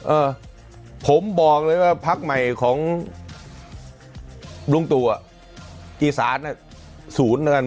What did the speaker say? เออผมบอกเลยว่าพักใหม่ของลุงตูอ่ะอีศาสตร์น่ะศูนย์แล้วกัน